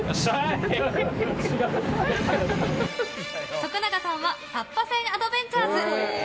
徳永さんはサッパ船アドベンチャーズ。